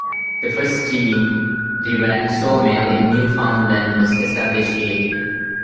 The first steam driven saw mill in Newfoundland was established here.